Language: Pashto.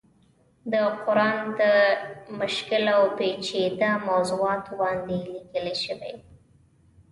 د قرآن د مشکل او پيچيده موضوعاتو باندې ليکلی شوی